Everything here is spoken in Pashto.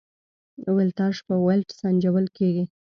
ولتاژ په ولټ سنجول کېږي.